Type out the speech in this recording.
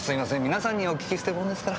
皆さんにお訊きしてるものですから。